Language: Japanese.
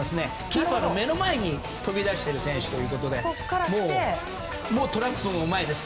キーパーの目の前に飛び出している選手ということでトラップもうまいです。